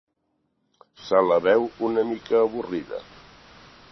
Se la veu una mica avorrida.